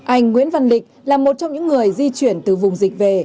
anh nguyễn văn định là một trong những người di chuyển từ vùng dịch về